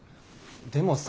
でもさ。